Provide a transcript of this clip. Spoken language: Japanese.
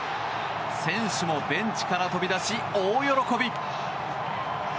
選手もベンチから飛び出し大喜び。